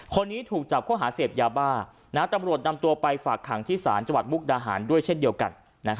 คนนี้ถูกจับข้อหาเสพยาบ้าตำรวจนำตัวไปฝากขังที่ศาลจังหวัดมุกดาหารด้วยเช่นเดียวกัน